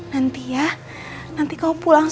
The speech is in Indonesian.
nanti ya nanti kau pulang